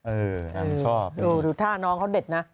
ชอบดูท่าน้องเขาเด็ดนะ